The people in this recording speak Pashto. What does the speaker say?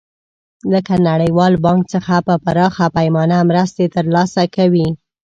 لکه نړیوال بانک څخه په پراخه پیمانه مرستې تر لاسه کوي.